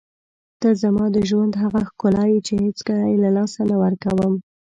ته زما د ژوند هغه ښکلا یې چې هېڅکله یې له لاسه نه ورکوم.